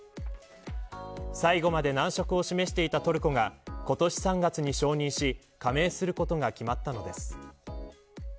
最後まで難色を示していたトルコが今年３月に承認し加盟することが決まったのです。